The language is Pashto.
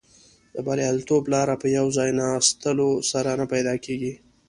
د بریالیتوب لاره په یو ځای ناستلو سره نه پیدا کیږي.